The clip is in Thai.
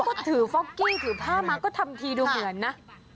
ก็ถือฟอกกี้ถือผ้ามาก็ทำทีดูเหมือนนะ